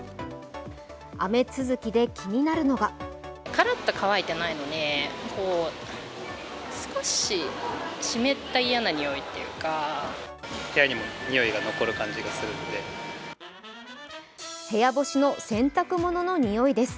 雨続きで気になるのがそう、部屋干しの洗濯物の臭いです。